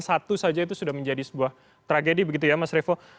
satu saja itu sudah menjadi sebuah tragedi begitu ya mas revo